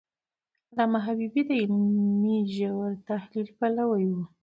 علامه حبيبي د علمي ژور تحلیل پلوی و.